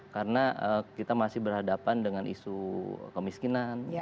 karena kita masih berhadapan dengan isu kemiskinan